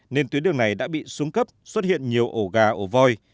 nên tuyến đường này đã bị xuống cấp xuất hiện nhiều ổ gà ổ voi